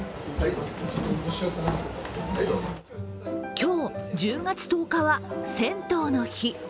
今日１０月１０日は銭湯の日。